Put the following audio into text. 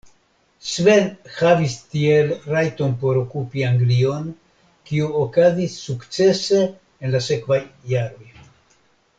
Sven havis tiel rajton por okupi Anglion, kio okazis sukcese en la sekvaj jaroj.